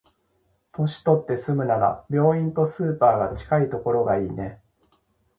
年取って住むなら、病院とスーパーが近いところがいいね。